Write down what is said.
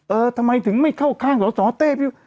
เออทำไมถึงไม่เข้าข้างสสเต้พี่